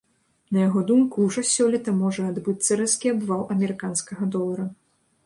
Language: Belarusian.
На яго думку, ужо сёлета можа адбыцца рэзкі абвал амерыканскага долара.